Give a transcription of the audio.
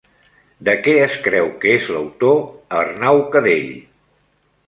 De què es creu que és l'autor Arnau Cadell?